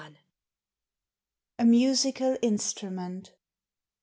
A MUSICAL INSTRUMENT.